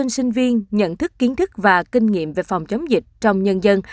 sinh viên nhận thức kiến thức và kinh nghiệm về phòng chống dịch trong nhân dân